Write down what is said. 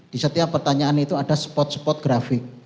di setiap pertanyaan itu ada spot spot grafik